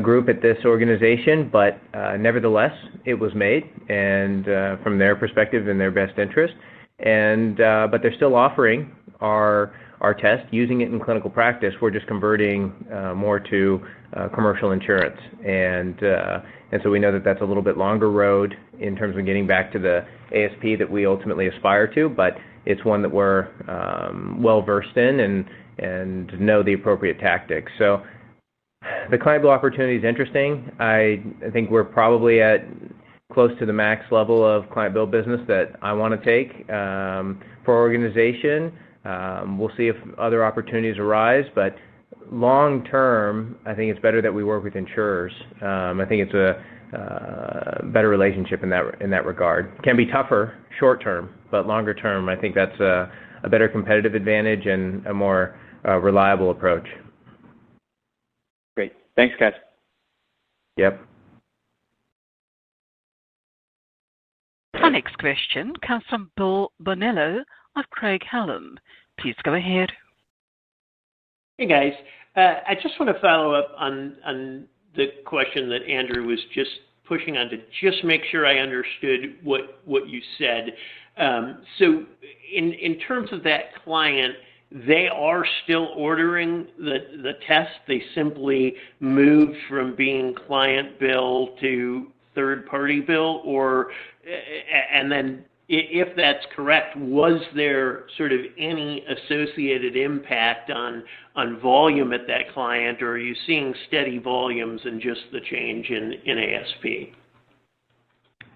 group at this organization. But nevertheless, it was made from their perspective and their best interest. But they're still offering our test. Using it in clinical practice, we're just converting more to commercial insurance. And so we know that that's a little bit longer road in terms of getting back to the ASP that we ultimately aspire to, but it's one that we're well-versed in and know the appropriate tactics. So the client bill opportunity is interesting. I think we're probably close to the max level of client bill business that I want to take for our organization, we'll see if other opportunities arise. But long-term, I think it's better that we work with insurers. I think it's a better relationship in that regard. It can be tougher short-term, but longer-term, I think that's a better competitive advantage and a more reliable approach. Great. Thanks, guys. Yep. Our next question comes from Bill Bonello of Craig-Hallum. Please go ahead. Hey, guys. I just want to follow up on the question that Andrew was just pushing on to just make sure I understood what you said. So. In terms of that client, they are still ordering the test. They simply moved from being client bill to third-party bill? And then, if that's correct, was there sort of any associated impact on volume at that client, or are you seeing steady volumes and just the change in ASP?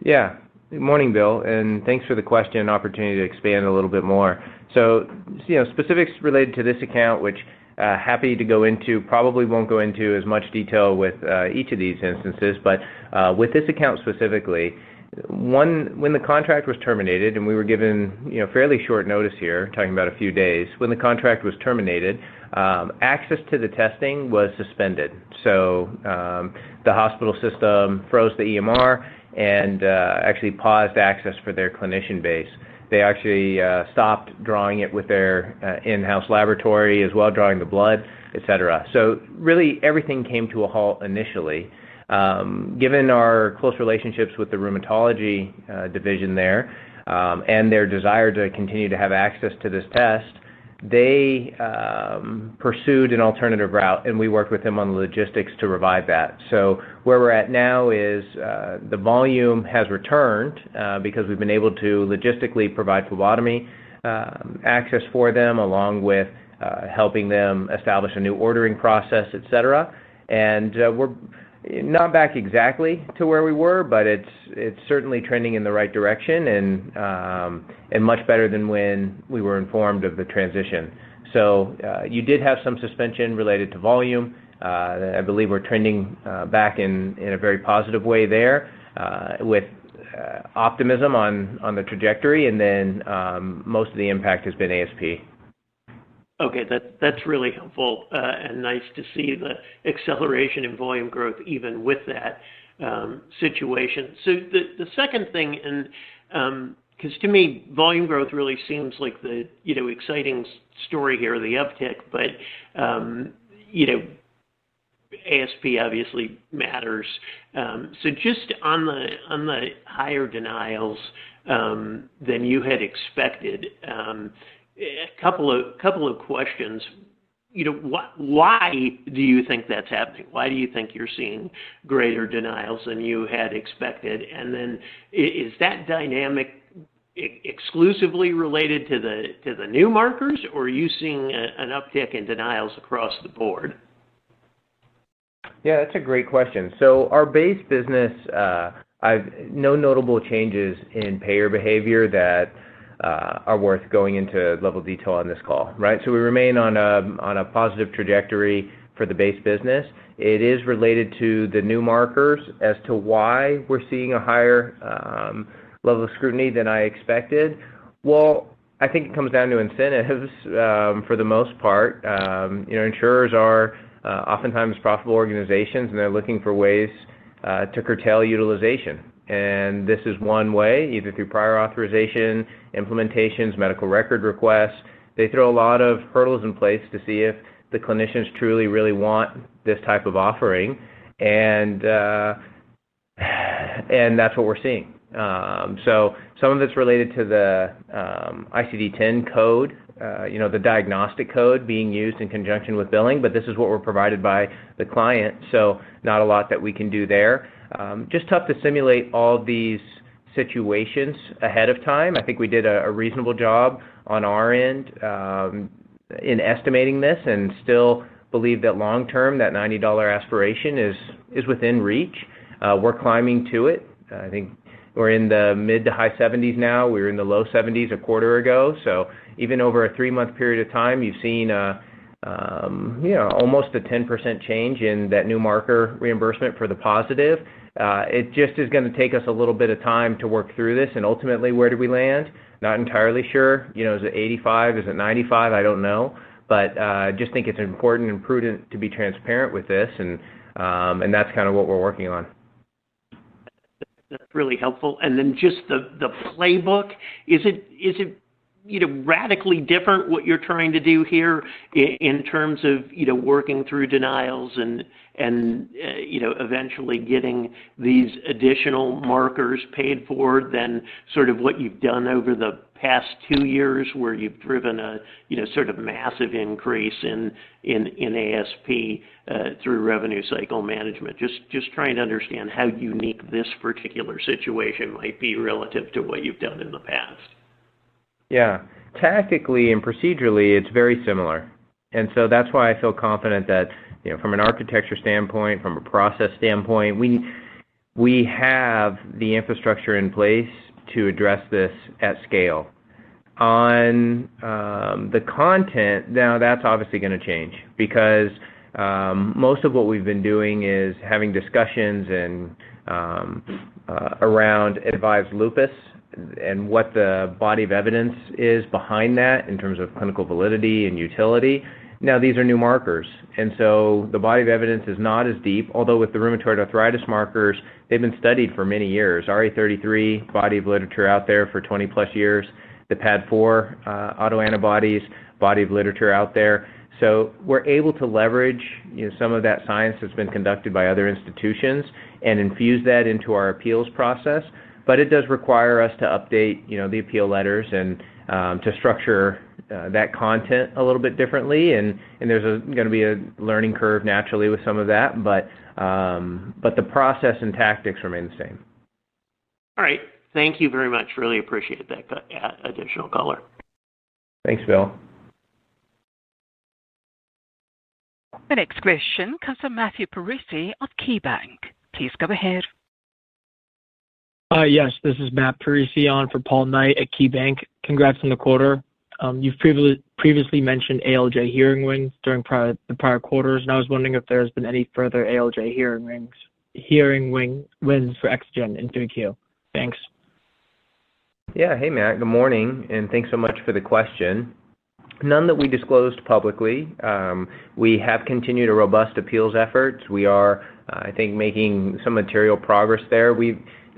Yeah. Good morning, Bill, and thanks for the question and opportunity to expand a little bit more, so specifics related to this account, which I'm happy to go into, probably won't go into as much detail with each of these instances but with this account specifically. When the contract was terminated and we were given fairly short notice here, talking about a few days, access to the testing was suspended, so the hospital system froze the EMR and actually paused access for their clinician base. They actually stopped drawing it with their in-house laboratory as well, drawing the blood, etc, so really, everything came to a halt initially. Given our close relationships with the rheumatology division there and their desire to continue to have access to this test, they pursued an alternative route, and we worked with them on the logistics to revive that. So where we're at now is the volume has returned because we've been able to logistically provide phlebotomy access for them, along with helping them establish a new ordering process, etc. And we're not back exactly to where we were, but it's certainly trending in the right direction and much better than when we were informed of the transition, so you did have some suspension related to volume. I believe we're trending back in a very positive way there with optimism on the trajectory, and then most of the impact has been ASP. Okay. That's really helpful and nice to see the acceleration in volume growth even with that situation. So the second thing, and because to me, volume growth really seems like the exciting story here, the uptick, but ASP obviously matters. So just on the higher denials than you had expected, a couple of questions. Why do you think that's happening? Why do you think you're seeing greater denials than you had expected? And then is that dynamic exclusively related to the new markers, or are you seeing an uptick in denials across the board? Yeah, that's a great question. So our base business, I've no notable changes in payer behavior that are worth going into level detail on this call, right? So we remain on a positive trajectory for the base business. It is related to the new markers as to why we're seeing a higher level of scrutiny than I expected. Well, I think it comes down to incentives for the most part. Insurers are oftentimes profitable organizations, and they're looking for ways to curtail utilization. And this is one way, either through prior authorization, implementations, medical record requests. They throw a lot of hurdles in place to see if the clinicians truly, really want this type of offering. And that's what we're seeing. So some of it's related to the ICD-10 code, the diagnostic code being used in conjunction with billing, but this is what we're provided by the client. So not a lot that we can do there. Just tough to simulate all these situations ahead of time. I think we did a reasonable job on our end in estimating this and still believe that long-term, that $90 aspiration is within reach. We're climbing to it. I think we're in the mid to high 70s now. We were in the low 70s a quarter ago. So even over a three-month period of time, you've seen almost a 10% change in that new marker reimbursement for the positive. It just is going to take us a little bit of time to work through this. And ultimately, where do we land? Not entirely sure. Is it 85%? Is it 95%? I don't know. But I just think it's important and prudent to be transparent with this. And that's kind of what we're working on. That's really helpful. And then just the playbook, is it radically different what you're trying to do here in terms of working through denials and eventually getting these additional markers paid for than sort of what you've done over the past two years where you've driven a sort of massive increase in ASP through revenue cycle management? Just trying to understand how unique this particular situation might be relative to what you've done in the past. Yeah. Tactically and procedurally, it's very similar. And so that's why I feel confident that from an architecture standpoint, from a process standpoint, we have the infrastructure in place to address this at scale. On the content, now that's obviously going to change because most of what we've been doing is having discussions and around AVISE Lupus and what the body of evidence is behind that in terms of clinical validity and utility. Now, these are new markers. And so the body of evidence is not as deep, although with the rheumatoid arthritis markers, they've been studied for many years. RA33, body of literature out there for 20+ years. The PAD4 autoantibodies, body of literature out there. So we're able to leverage some of that science that's been conducted by other institutions and infuse that into our appeals process, but it does require us to update the appeal letters and to structure that content a little bit differently. And there's going to be a learning curve naturally with some of that. But the process and tactics remain the same. All right. Thank you very much. Really appreciate that additional color. Thanks, Bill. Our next question comes from Matthew Parisi of KeyBanc. Please go ahead. Yes. This is Matt Parisi, on for Paul Knight at KeyBanc. Congrats on the quarter. You've previously mentioned ALJ hearing wins during the prior quarters, and I was wondering if there has been any further ALJ hearing wins for Exagen in 3Q. Thanks. Yeah. Hey, Matt. Good morning. And thanks so much for the question. None that we disclosed publicly. We have continued a robust appeals effort. We are, I think, making some material progress there.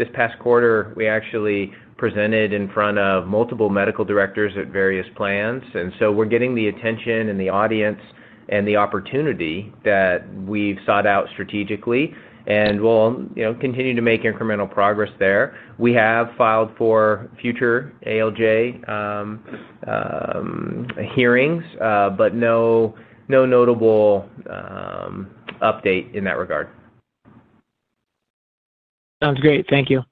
This past quarter, we actually presented in front of multiple medical directors at various plans. And so we're getting the attention and the audience and the opportunity that we've sought out strategically and will continue to make incremental progress there. We have filed for future ALJ hearings, but no notable update in that regard. Sounds great. Thank you.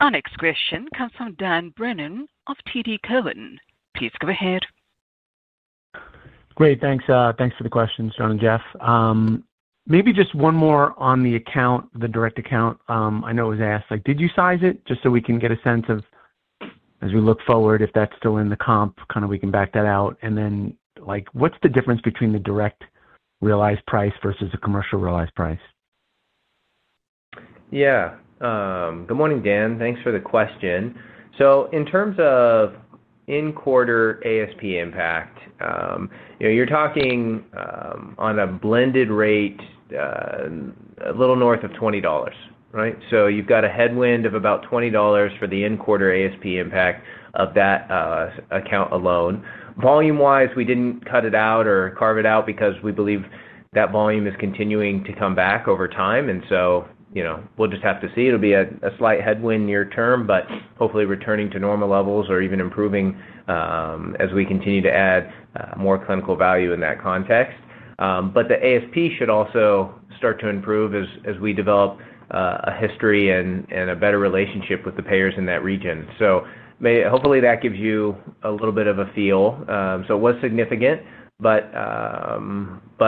Our next question comes from Dan Brennan of TD Cowen. Please go ahead. Great. Thanks for the questions, John and Jeff. Maybe just one more on the direct account. I know it was asked, like, "Did you size it?" Just so we can get a sense of. As we look forward, if that's still in the comp, kind of we can back that out. And then what's the difference between the direct realized price versus a commercial realized price? Yeah. Good morning, Dan. Thanks for the question. So in terms of in-quarter ASP impact, you're talking on a blended rate a little north of $20, right? So you've got a headwind of about $20 for the in-quarter ASP impact of that account alone. Volume-wise, we didn't cut it out or carve it out because we believe that volume is continuing to come back over time. And so we'll just have to see. It'll be a slight headwind near term, but hopefully returning to normal levels or even improving as we continue to add more clinical value in that context. But the ASP should also start to improve as we develop a history and a better relationship with the payers in that region. So hopefully that gives you a little bit of a feel. So it was significant, but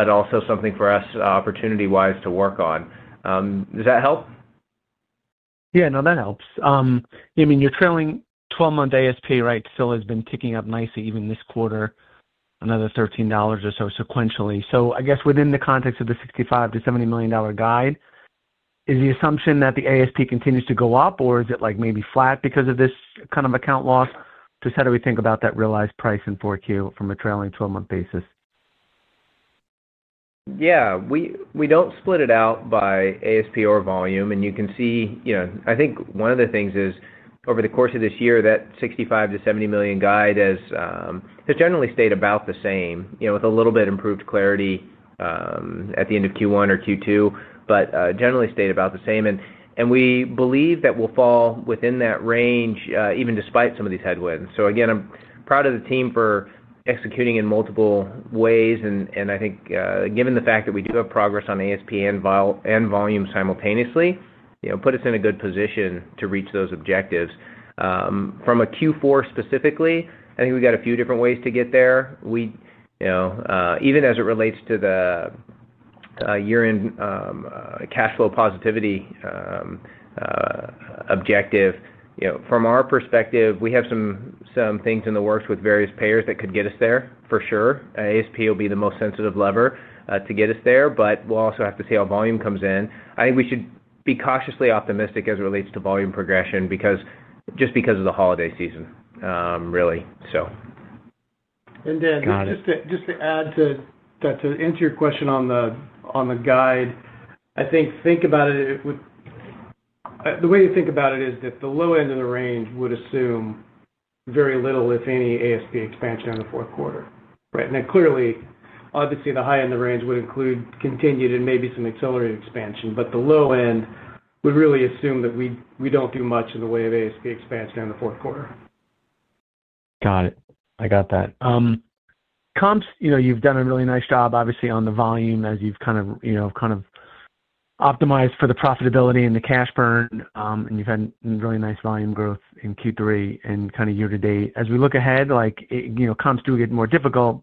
also something for us opportunity-wise to work on. Does that help? Yeah. No, that helps. I mean, you're trailing 12-month ASP, right? Still has been ticking up nicely, even this quarter, another $13 or so sequentially. So I guess within the context of the $65 million-$70 million guide, is the assumption that the ASP continues to go up, or is it maybe flat because of this kind of account loss? Just how do we think about that realized price in 4Q from a trailing 12-month basis? Yeah. We don't split it out by ASP or volume. And you can see, I think one of the things is over the course of this year, that $65 million-$70 million guide has generally stayed about the same, with a little bit improved clarity at the end of Q1 or Q2, but generally stayed about the same. And we believe that we'll fall within that range even despite some of these headwinds. So again, I'm proud of the team for executing in multiple ways. And I think given the fact that we do have progress on ASP and volume simultaneously, put us in a good position to reach those objectives. From a Q4 specifically, I think we've got a few different ways to get there. Even as it relates to the year-end cash flow positivity objective, from our perspective, we have some things in the works with various payers that could get us there for sure. ASP will be the most sensitive lever to get us there, but we'll also have to see how volume comes in. I think we should be cautiously optimistic as it relates to volume progression just because of the holiday season, really, so. And Dan, just to add to answer your question on the guide, I think about it. The way to think about it is that the low end of the range would assume very little, if any, ASP expansion in the fourth quarter, right? And clearly, obviously, the high end of the range would include continued and maybe some accelerated expansion, but the low end would really assume that we don't do much in the way of ASP expansion in the fourth quarter. Got it. I got that. Comps? You've done a really nice job, obviously, on the volume as you've kind of optimized for the profitability and the cash burn, and you've had really nice volume growth in Q3 and kind of year-to-date. As we look ahead, comps do get more difficult.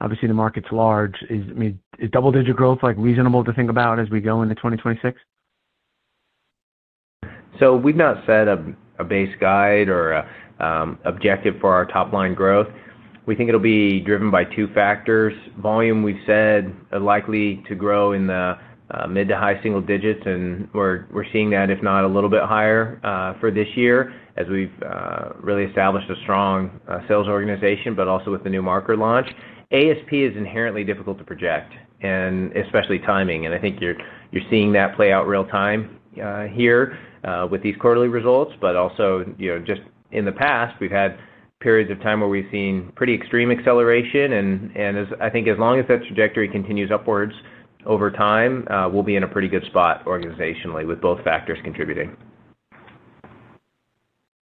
Obviously, the market's large. I mean, is double-digit growth reasonable to think about as we go into 2026? So we've not set a base guide or objective for our top-line growth. We think it'll be driven by two factors. Volume, we've said, is likely to grow in the mid to high single digits, and we're seeing that, if not a little bit higher for this year as we've really established a strong sales organization, but also with the new marker launch. ASP is inherently difficult to project, and especially timing. And I think you're seeing that play out real-time here with these quarterly results. But also, just in the past, we've had periods of time where we've seen pretty extreme acceleration. And I think as long as that trajectory continues upwards over time, we'll be in a pretty good spot organizationally with both factors contributing.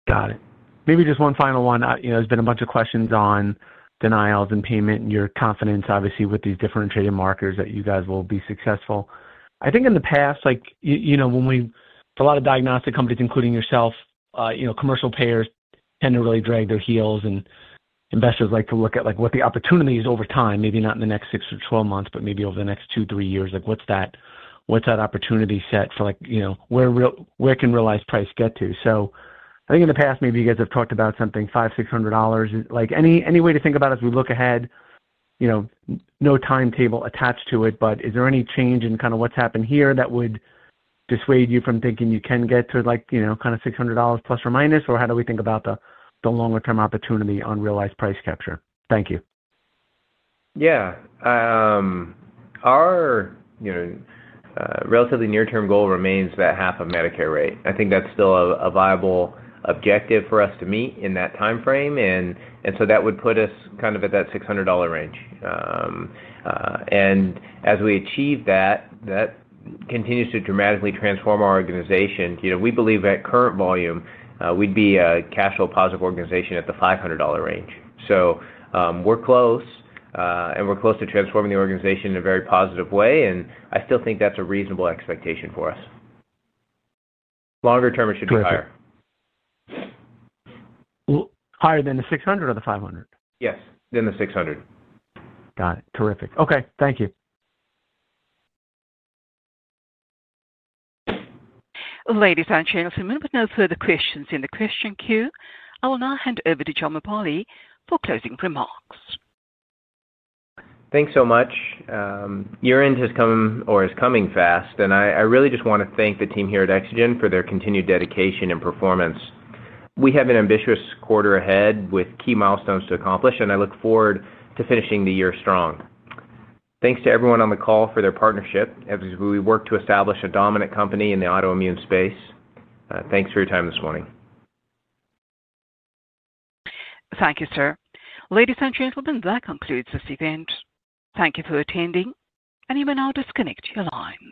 Got it. Maybe just one final one. There's been a bunch of questions on denials and payment and your confidence, obviously, with these differentiated markers that you guys will be successful. I think in the past, when a lot of diagnostic companies, including yourself, commercial payers tend to really drag their heels, and investors like to look at what the opportunity is over time, maybe not in the next six or 12 months, but maybe over the next two, three years. What's that opportunity set for, where can realized price get to? So I think in the past, maybe you guys have talked about something $500-$600. Any way to think about it as we look ahead? No timetable attached to it, but is there any change in kind of what's happened here that would dissuade you from thinking you can get to kind of $600±, or how do we think about the longer-term opportunity on realized price capture? Thank you. Yeah. Our relatively near-term goal remains about half of Medicare rate. I think that's still a viable objective for us to meet in that timeframe. And so that would put us kind of at that $600 range. And as we achieve that, it continues to dramatically transform our organization. We believe at current volume, we'd be a cash flow positive organization at the $500 range. So we're close, and we're close to transforming the organization in a very positive way. And I still think that's a reasonable expectation for us. Longer term [is usually higher]. Higher than the $600 or the $500? Yes, than the $600. Got it. Terrific. Okay. Thank you. Ladies and gentlemen, with no further questions in the question queue, I will now hand over to John Aballi for closing remarks. Thanks so much. Year-end has come or is coming fast, and I really just want to thank the team here at Exagen for their continued dedication and performance. We have an ambitious quarter ahead with key milestones to accomplish, and I look forward to finishing the year strong. Thanks to everyone on the call for their partnership as we work to establish a dominant company in the autoimmune space. Thanks for your time this morning. Thank you, sir. Ladies and gentlemen, that concludes this event. Thank you for attending, and you may now disconnect your line.